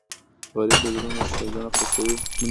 غریب د زړونو ښیګڼه خوښوي